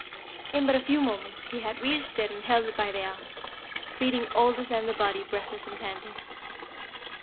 In but a few moments he had reached it and held it by the arm, feeling all the slender body breathless and panting.